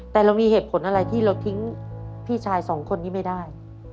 แต่เรามีเหตุผลอะไรที่เราทิ้งพี่ชายสองคนนี้ไม่ได้